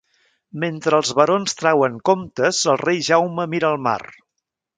Mentre els barons trauen comptes el rei Jaume mira el mar.